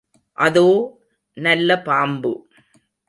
அதோ, நல்ல பாம்பு!